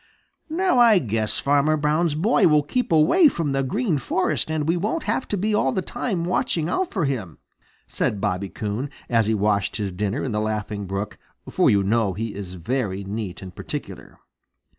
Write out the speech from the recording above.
"Now I guess Farmer Brown's boy will keep away from the Green Forest, and we won't have to be all the time watching out for him," said Bobby Coon, as he washed his dinner in the Laughing Brook, for you know he is very neat and particular.